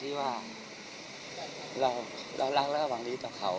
ที่ว่ารักแล้วหวังหลีดค่าว